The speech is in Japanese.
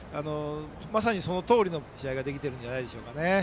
まさに、そのとおりの試合ができているんじゃないでしょうか。